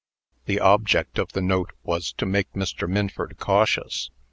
The object of the note was to make Mr. Minford cautious.